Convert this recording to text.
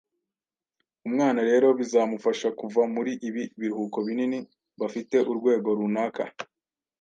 umwana rero bizamufasha kuva muri ibi biruhuko binini bafite urwego runaka